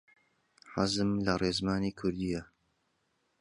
حەزم لە ڕێزمانی کوردییە.